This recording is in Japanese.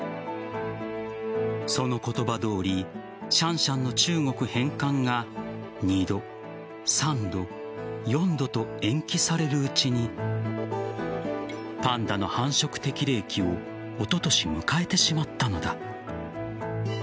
その言葉どおりシャンシャンの中国返還が２度、３度、４度と延期されるうちにパンダの繁殖適齢期をおととし、迎えてしまったのだ。